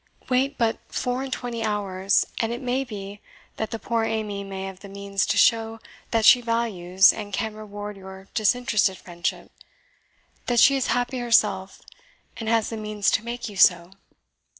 Wait but four and twenty hours, and it may be that the poor Amy may have the means to show that she values, and can reward, your disinterested friendship that she is happy herself, and has the means to make you so.